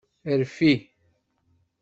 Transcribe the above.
Rfi.